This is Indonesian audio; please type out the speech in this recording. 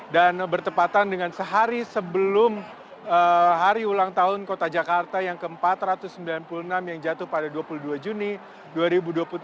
dan bertepatan dengan sehari sebelum hari ulang tahun kota jakarta yang ke empat ratus sembilan puluh enam yang jatuh pada dua puluh dua juni dua ribu dua puluh tiga